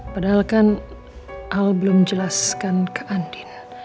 padahal kan al belum jelaskan ke andi